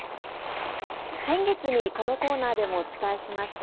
先月にこのコーナーでもお伝えしました